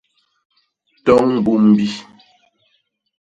Toñ mbumbi.